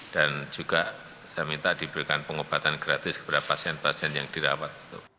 dan juga saya minta diberikan pengobatan gratis kepada pasien pasien yang dirawat